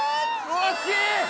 ・惜しい！